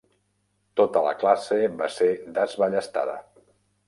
Tota la classe va ser desballestada.